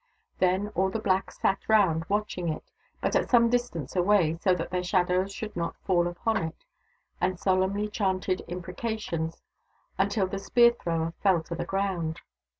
Then all the blacks sat round, watching it, but at some distance away, so that their shadows should not fall upon it, and solemnly chanted imprecations until the spear thrower fell to the ground.